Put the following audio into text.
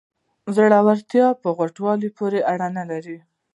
زړورتیا په غټوالي پورې اړه نلري.